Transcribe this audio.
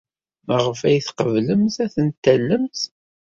Maɣef ay tqeblemt ad ten-tallemt?